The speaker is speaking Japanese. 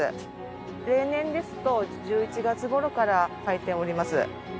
例年ですと１１月頃から咲いております。